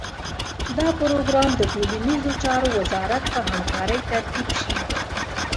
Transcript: دا پروګرام د ټولنیزو چارو وزارت په همکارۍ ترتیب شي.